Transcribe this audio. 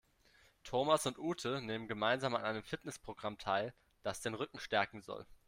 Thomas und Ute nehmen gemeinsam an einem Fitnessprogramm teil, das den Rücken stärken soll.